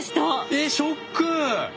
えショック！